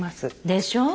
でしょ？